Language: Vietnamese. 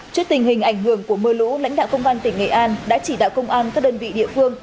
trước tình hình ảnh hưởng của mưa lũ lãnh đạo công an tỉnh nghệ an đã chỉ đạo công an các đơn vị địa phương